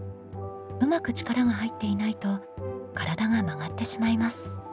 うまく力が入っていないと体が曲がってしまいます。